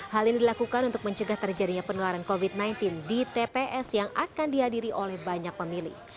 hal ini dilakukan untuk mencegah terjadinya penularan covid sembilan belas di tps yang akan dihadiri oleh banyak pemilih